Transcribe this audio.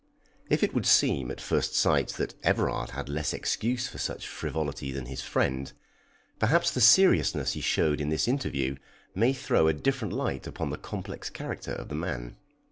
If it would seem at first sight that Everard had less excuse for such frivolity than his friend, perhaps the seriousness he showed in this interview may throw a different light upon the complex character of the man.